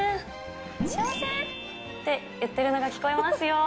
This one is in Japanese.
幸せ！って言ってるのが聞こえますよ。